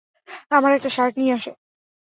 আমার একটা শার্ট নিয়ে আয়।